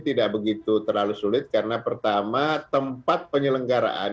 tidak begitu terlalu sulit karena pertama tempat penyelenggaraan